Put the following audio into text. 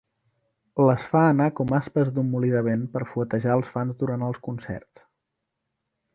Les fa anar com aspes d'un molí de vent per fuetejar els fans durant els concerts.